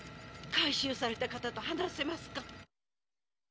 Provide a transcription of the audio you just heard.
回収された方と話せますか？